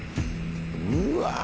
うわ！